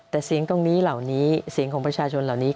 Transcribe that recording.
แต่เสียงตรงนี้เหล่านี้เสียงของประชาชนเหล่านี้